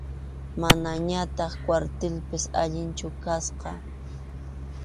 Manañataq kwartilpas alinchu kasqa.